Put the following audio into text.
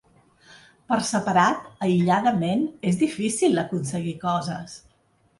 Per separat, aïlladament és difícil aconseguir coses.